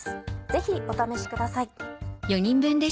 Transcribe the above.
ぜひお試しください。